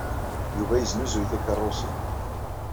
Yuba yesnuzuy tikeṛṛusin.